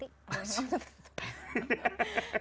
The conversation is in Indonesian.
tidak ada yang tertutup